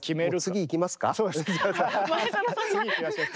次いきましょうか。